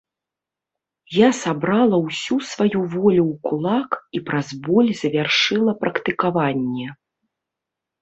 Я сабрала ўсю сваю волю ў кулак і праз боль завяршыла практыкаванне.